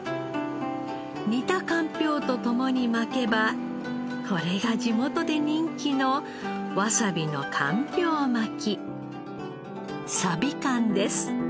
煮たかんぴょうと共に巻けばこれが地元で人気のワサビのかんぴょう巻き。